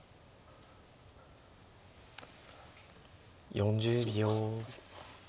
４０秒。